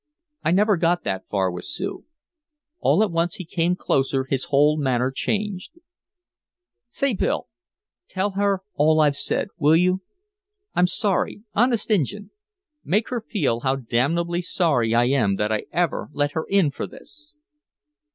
"I never got that far with Sue." All at once he came closer, his whole manner changed: "Say, Bill tell her all I've said will you? I'm sorry! Honest Injun! Make her feel how damnably sorry I am that I ever let her in for this!"